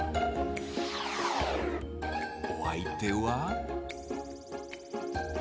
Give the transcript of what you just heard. お相手は。